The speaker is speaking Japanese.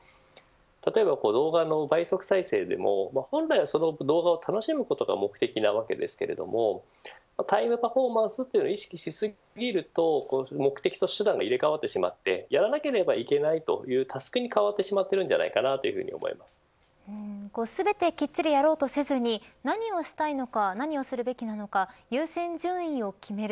例えば動画の倍速再生でも本来はその動画を楽しむことが目的なわけですけれどもタイムパフォーマンスを意識しすぎると目的と手段が入れ替わってしまってやらなければならないことにタスクに変わってしまっているように全てきっちりやろうとせずに何をしたいのか何をするべきなのか優先順位を決める